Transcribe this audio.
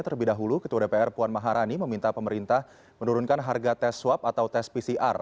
terlebih dahulu ketua dpr puan maharani meminta pemerintah menurunkan harga tes swab atau tes pcr